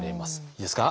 いいですか？